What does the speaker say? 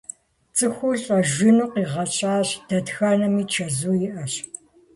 ЦӀыхур лӀэжыну къигъэщӀащ, дэтхэнэми чэзу иӀэщ.